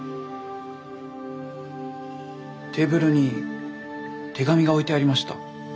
テーブルに手紙が置いてありました。